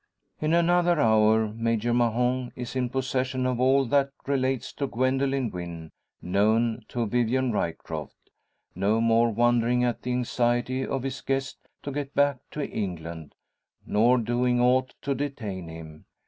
In another hour Major Mahon is in possession of all that relates to Gwendoline Wynn, known to Vivian Ryecroft; no more wondering at the anxiety of his guest to get back to England; nor doing aught to detain him.